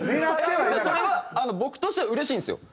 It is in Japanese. それは僕としてはうれしいんですよ。